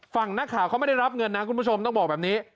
ฝั่งนักข่าวเขาไม่ได้รับเงินนะคุณผู้ชมต้องบอกแบบนี้